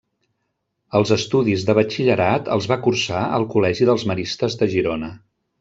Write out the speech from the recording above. Els estudis de batxillerat els va cursar al col·legi dels Maristes de Girona.